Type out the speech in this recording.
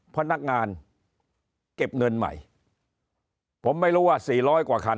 พนักงานเก็บเงินใหม่ผมไม่รู้ว่าสี่ร้อยกว่าคัน